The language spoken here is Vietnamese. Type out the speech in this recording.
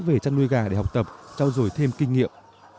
về chăn nuôi gà để học tập trao dồi thêm kinh nghiệm